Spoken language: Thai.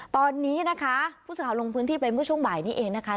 ตอนนี้นะคะผู้สื่อข่าวลงพื้นที่ไปเมื่อช่วงบ่ายนี้เองนะคะ